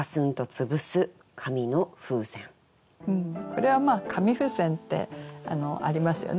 これは紙風船ってありますよね